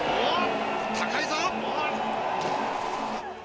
高いぞ。